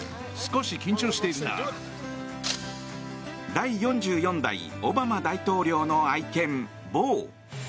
第４４代オバマ大統領の愛犬ボー。